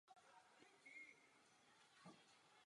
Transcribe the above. Rozsudek byl písemně vydán až po více jak dvou měsících.